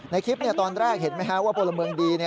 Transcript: ในคลิปตอนแรกเห็นไหมว่าพลเมืองดี